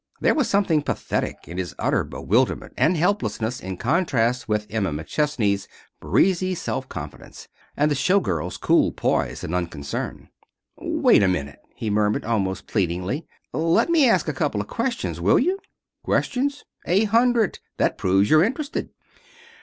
There was something pathetic in his utter bewilderment and helplessness in contrast with Emma McChesney's breezy self confidence, and the show girl's cool poise and unconcern. "Wait a minute," he murmured, almost pleadingly. "Let me ask a couple of questions, will you?" "Questions? A hundred. That proves you're interested."